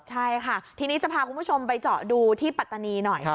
ใช่ค่ะทีนี้จะพาคุณผู้ชมไปเจาะดูที่ปัตตานีหน่อย